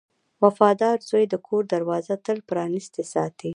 • وفادار زوی د کور دروازه تل پرانستې ساتي.